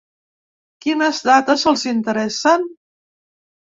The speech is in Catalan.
Quines dates els interessen?